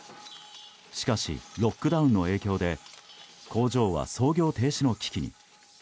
しかし、ロックダウンの影響で工場は操業停止の危機に。